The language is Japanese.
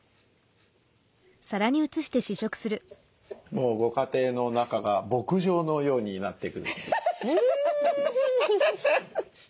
もうご家庭の中が牧場のようになってくる。